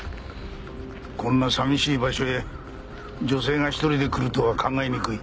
こんな寂しい場所へ女性が１人で来るとは考えにくい。